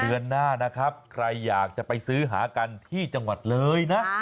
เดือนหน้านะครับใครอยากจะไปซื้อหากันที่จังหวัดเลยนะ